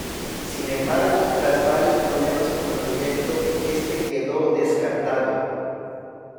Sin embargo, tras varios problemas con el proyecto este quedó descartado.